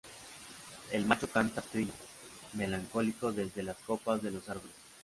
El macho canta su trino melancólico desde las copas de los árboles.